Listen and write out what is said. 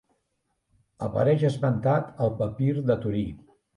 Apareix esmentat al Papir de Torí.